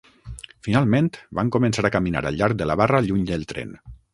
Finalment van començar a caminar al llarg de la barra lluny del tren.